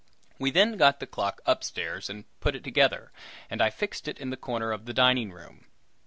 We then got the clock upstairs and put it together, and I fixed it in the corner of the dining room.